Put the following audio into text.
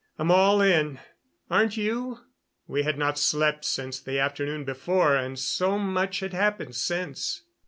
I'm all in. Aren't you?" We had not slept since the afternoon before, and so much had happened since.